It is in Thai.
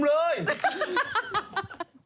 อะไรของพี่